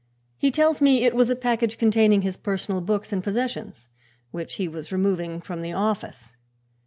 He tells me it was a package containing his personal books and possessions, which he was removing from the office.